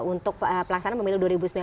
untuk pelaksanaan pemilu dua ribu sembilan belas